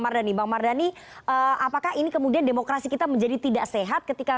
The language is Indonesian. mardhani bang mardhani apakah ini kemudian demokrasi kita menjadi tidak sehat ketika